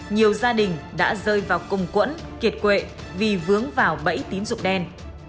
nhiều gia đình đã rơi vào cùng quẫn kiệt quệ vì vướng vào bẫy tín dụng đen